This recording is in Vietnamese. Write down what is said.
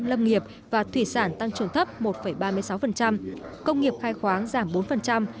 lâm nghiệp và thủy sản tăng trưởng thấp một ba mươi sáu công nghiệp khai khoáng giảm bốn